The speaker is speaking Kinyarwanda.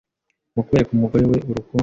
mu kwereka umugore we urukundo